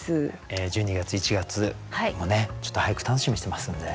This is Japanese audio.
１２月１月もねちょっと俳句楽しみにしてますので。